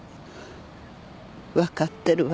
分かってるわ。